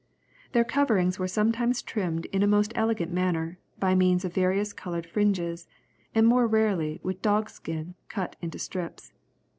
Their coverings were sometimes trimmed in a most elegant manner, by means of various coloured fringes, and more rarely with dogskin cut into strips.